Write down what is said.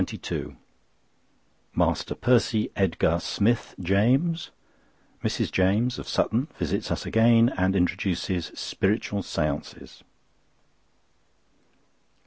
CHAPTER XXII Master Percy Edgar Smith James. Mrs. James (of Sutton) visits us again and introduces "Spiritual Séances."